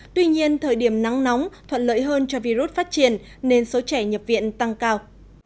tuy nhiên thời điểm nắng nóng thuận lợi hơn cho virus phát triển nên số trẻ nhập viện tăng cao